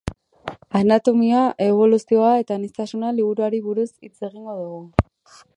Anatomia, eboluzioa eta aniztasuna liburuari buruz hitz egingo dugu.